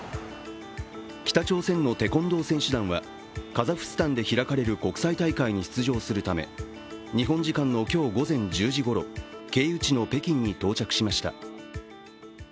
北朝鮮のテコンドー選手団は、カザフスタンで開かれる国際大会に出場するため日本時間の今日午前１０時ごろ、経由地の北京に到着しました。